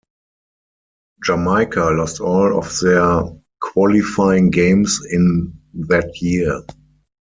Jamaica lost all of their qualifying games in that year.